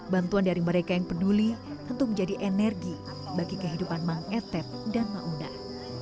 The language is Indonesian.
bantuan dari mereka yang peduli tentu menjadi energi bagi kehidupan mang etep dan maunah